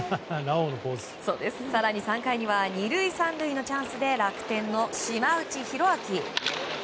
更に３回には２塁、３塁のチャンスで楽天の島内宏明。